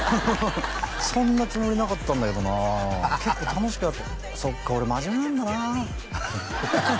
そんなつもりなかったんだけどな結構楽しくそっか俺真面目なんだなあ